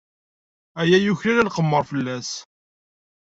Aya yuklal ad nqemmer fell-as.